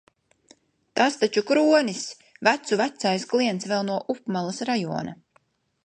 Tas taču Kronis! Vecu vecais klients vēl no upmalas rajona.